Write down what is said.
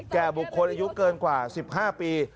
แก่บุคคลอายุเกินกว่า๑๕ปี